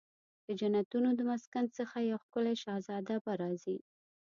د جنتونو د مسکن څخه یو ښکلې شهزاده به راځي